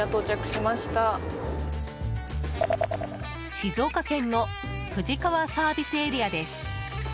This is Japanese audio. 静岡県の富士川ＳＡです。